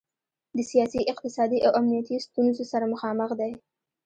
د سیاسي، اقتصادي او امنیتي ستونخو سره مخامخ دی.